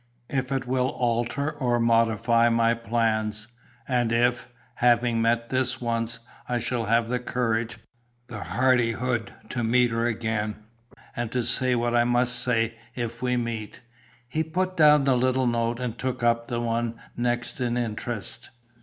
If it will alter or modify my plans; and if, having met this once I shall have the courage, the hardihood to meet her again, and to say what I must say if we meet." He put down the little note and took up the one next in interest.